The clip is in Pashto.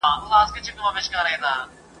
زه به ستا پرشونډو ګرځم ته به زما غزلي لولې ..